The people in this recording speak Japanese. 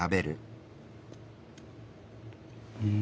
うん。